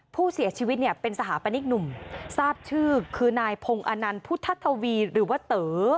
ผู้เสียชีวิตเนี่ยเป็นสถาปนิกหนุ่มทราบชื่อคือนายพงศ์อนันต์พุทธทวีหรือว่าเต๋อ